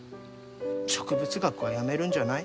植物学はやめるんじゃない？